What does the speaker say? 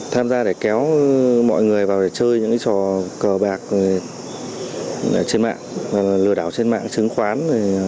tham gia để kéo mọi người vào để chơi những trò cờ bạc trên mạng lừa đảo trên mạng chứng khoán